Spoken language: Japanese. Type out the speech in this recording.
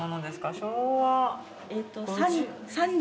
昭和。